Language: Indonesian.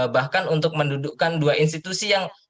bahkan untuk mendudukkan dua institusi yang